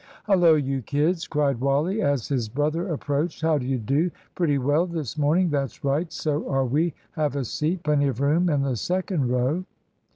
"Hullo, you kids," cried Wally, as his brother approached, "how do you do? Pretty well this morning? That's right so are we. Have a seat? Plenty of room in the second row."